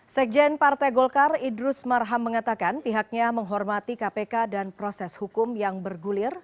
sekjen partai golkar idrus marham mengatakan pihaknya menghormati kpk dan proses hukum yang bergulir